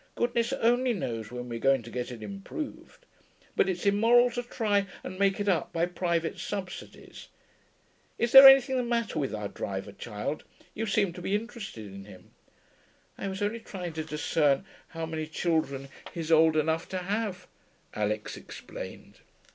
Goodness only knows when we're going to get it improved. But it's immoral to try and make it up by private subsidies.... Is there anything the matter with our driver, child? You seem to be interested in him.' 'I was only trying to discern how many children he's old enough to have,' Alix explained.